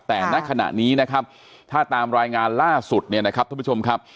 แต่ณขณะนี้นะครับถ้าตามรายงานล่าสุดเนี่ยนะครับท่านผู้ชมครับ